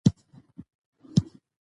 بادام د افغانانو د تفریح یوه وسیله ده.